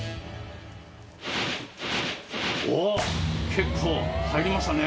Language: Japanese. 結構入りましたね。